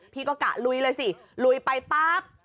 พี่ก็กะลุยเลยสิลุยไปปั๊บ